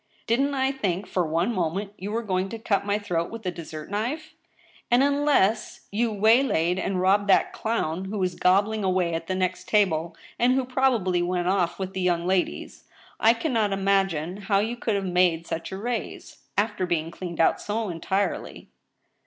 Didn't I think for one moment you were going to cut my throat with a dessert knife ? And, unless you way laid and robbed that clown, who was gobbling away at the next table, and who probably went off with the young ladies, I can not imagine how you could have made such a raise, after being cleaned out so entirely.